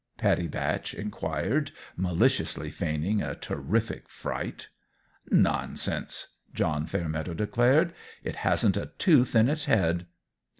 Pattie Batch inquired, maliciously feigning a terrific fright. "Nonsense!" John Fairmeadow declared; "it hasn't a tooth in its head."